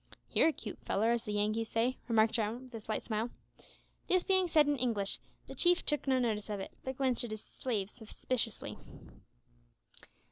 "You're a cute fellar, as the Yankees say," remarked Jarwin, with a slight smile. This being said in English, the Chief took no notice of it, but glanced at his slave suspiciously.